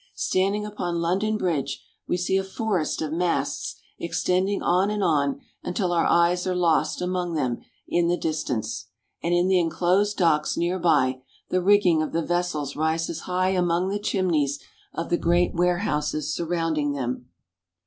Standing upon London Bridge, we see a forest of masts extending on and on until our eyes are lost among them in the dis tance, and in the inclosed docks near by, the rigging of the vessels rises high among the chimneys of the great warehouses surrounding them.